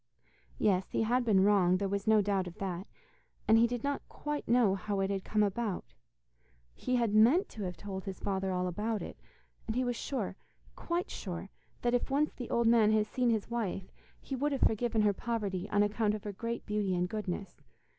Yes, he had been wrong, there was no doubt of that, and he did not quite know how it had come about. He had meant to have told his father all about it, and he was sure, quite sure, that if once the old man had seen his wife, he would have forgiven her poverty on account of her great beauty and goodness.